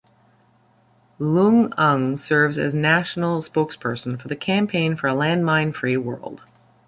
Loung Ung serves as National Spokesperson for the Campaign for a Landmine-Free World.